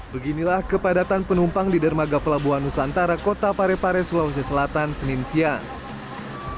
pada hari ini penumpang di dermaga pelabuhan nusantara kota parepare sulawesi selatan senin siang